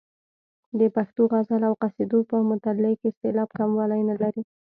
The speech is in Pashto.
د پښتو غزل او قصیدو په مطلع کې سېلاب کموالی نه لري.